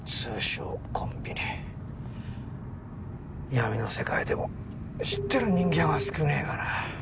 闇の世界でも知ってる人間は少ねえがな。